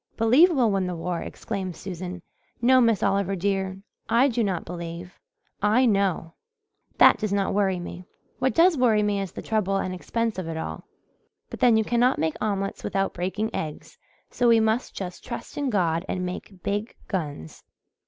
"'Believe' we'll win the war!" exclaimed Susan. "No, Miss Oliver, dear, I do not believe I know. That does not worry me. What does worry me is the trouble and expense of it all. But then you cannot make omelets without breaking eggs, so we must just trust in God and make big guns."